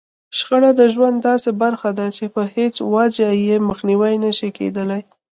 شخړه د ژوند داسې برخه ده چې په هېڅ وجه يې مخنيوی نشي کېدلای.